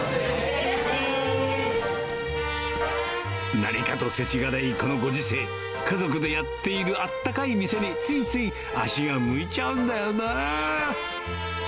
何かとせちがらいこのご時世、家族でやっているあったかい店に、ついつい足が向いちゃうんだよな。